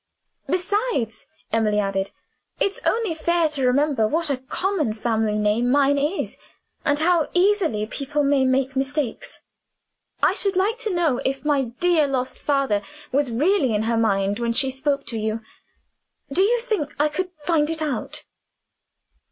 "Besides," Emily added, "it's only fair to remember what a common family name mine is, and how easily people may make mistakes. I should like to know if my dear lost father was really in her mind when she spoke to you. Do you think I could find it out?"